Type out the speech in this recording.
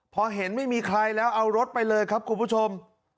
พอเห็นไม่มีใครแล้วเอารถไปเลยครับคุณผู้ชม